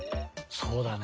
そうだね。